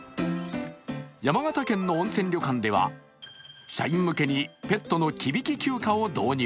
山形県の温泉旅館では、社員向けにペットの忌引休暇を導入。